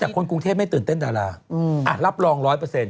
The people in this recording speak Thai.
น่าจะคนกรุงเทพฯไม่ตื่นเต้นดาราอ่ะรับรองร้อยเปอร์เซ็นต์